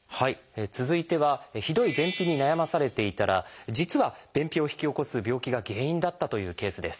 続いてはひどい便秘に悩まされていたら実は便秘を引き起こす病気が原因だったというケースです。